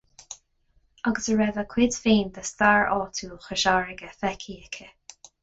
Agus a raibh a cuid féin de stair áitiúil Chois Fharraige feicthe aici.